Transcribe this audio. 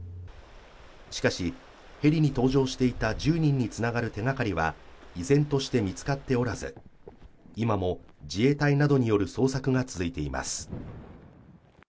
しかし、ヘリに搭乗していた１０人につながる手がかりは依然として見つかっておらず今も自衛隊などによる捜索が続いています。